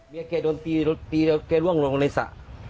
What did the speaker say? แกโดนตีแล้วแกร่วงลงในสระ